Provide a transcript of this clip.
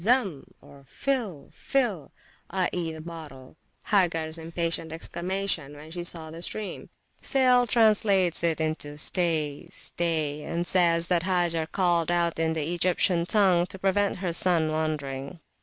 Zam! (fill! fill! i.e. the bottle), Hagars impatient exclamation when she saw the stream. Sale translates it stay! stay! and says that Hagar called out in the Egyptian language, to prevent her son wandering.